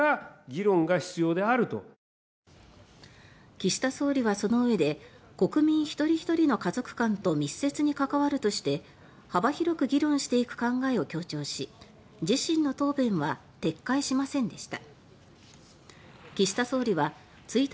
岸田総理はそのうえで国民一人ひとりの家族観と密接に関わるとして幅広く議論していく考えを強調し自身の答弁は撤回しませんでした。